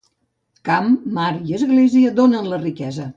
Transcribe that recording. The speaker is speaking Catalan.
Camp, mar i església donen la riquesa.